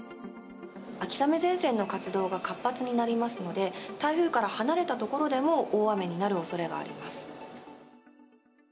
秋雨前線の活動が活発になりますので、台風から離れた所でも大雨になるおそれがあります。